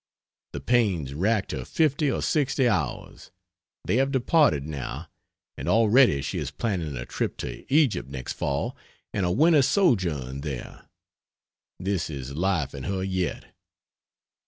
The pains racked her 50 or 60 hours; they have departed, now and already she is planning a trip to Egypt next fall, and a winter's sojourn there! This is life in her yet.